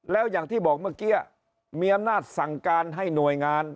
แล้วอย่างที่บอกเมื่อกี้มีอำนาจสั่งการให้หน่วยงาน